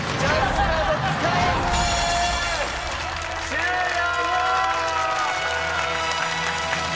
終了！